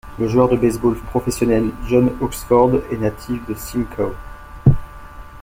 Le joueur de baseball professionnel John Axford est natif de Simcoe.